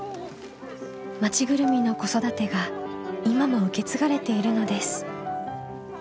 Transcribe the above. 町ぐるみの子育てが今も受け継がれているのです。